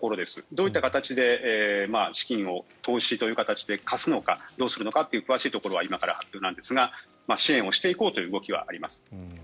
どういった形で資金を投資という形で貸すのかどうするのかというのは今から発表なんですが支援をしていこうという動きはあります。